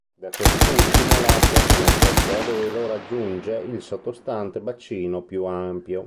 Da quest'ultimo l'acqua, con effetto a velo, raggiunge il sottostante bacino più ampio.